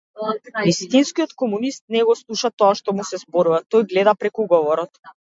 Вистинскиот комунист не го слуша тоа што му се зборува, тој гледа преку говорот.